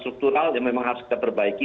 struktural yang memang harus kita perbaiki